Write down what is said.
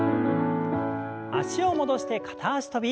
脚を戻して片脚跳び。